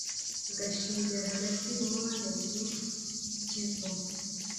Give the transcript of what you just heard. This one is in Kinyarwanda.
ugashingira hagati mu mazi y’i Kivu